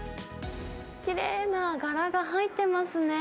きれいな柄が入ってますね。